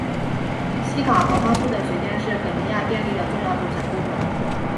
锡卡河发出的水电是肯尼亚电力的重要组成部分。